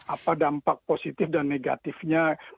apa dampak positif dan negatifnya